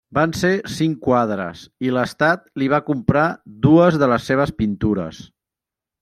Van ser cinc quadres i l'estat li va comprar dues de les seves pintures.